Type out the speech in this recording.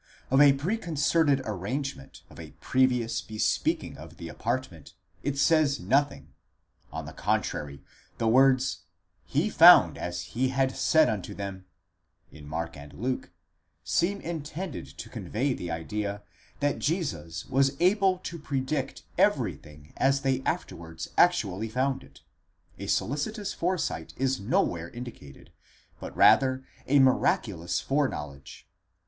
Of a preconcerted arrangement, of a previous bespeaking of the apartment, it says nothing ; on the contrary, the words, ¢hey found as he had said unto them, in Mark and Luke, seem intended to convey the idea that Jesus was able to: predict everything as they afterwards actually found it; a solicitous foresight is nowhere indicated, but rather a miraculous foreknowledge.